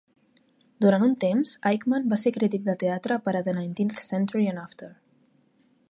Durant un temps, Aickman va ser crític de teatre per a "The Nineteenth Century and After".